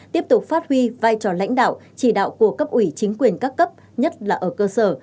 tiếp tục phát huy vai trò lãnh đạo chỉ đạo của cấp ủy chính quyền các cấp nhất là ở cơ sở